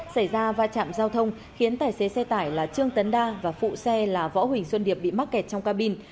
xảy ra va chạm giao thông khiến tài xế xe tải là trương tấn đa và phụ xe là võ huỳnh xuân điệp bị mắc kẹt trong cabin